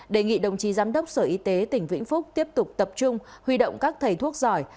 đề nghị đồng chí giám đốc sở y tế tỉnh vĩnh phúc tiếp tục tập trung huy động các thầy thuốc giỏi